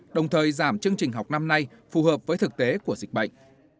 đồng thời giảm chương trình học năm nay phù hợp với thực tế của dịch bệnh